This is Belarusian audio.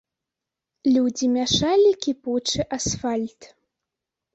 Людзі мяшалі кіпучы асфальт.